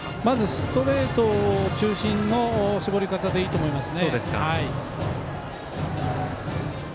ストレート中心の絞り方でいいと思います。